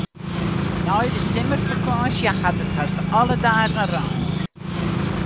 Nei de simmerfakânsje hat it hast alle dagen reind.